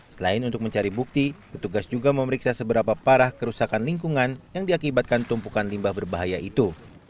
selain untuk mencari bukti petugas juga memeriksa seberapa parah kerusakan lingkungan yang diakibatkan tumpukan limbah berbahaya itu